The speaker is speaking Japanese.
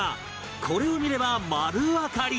これを見れば丸わかり